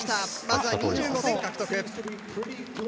まずは２５点獲得。